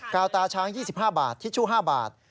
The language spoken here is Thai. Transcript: วตาช้าง๒๕บาททิชชู่๕บาท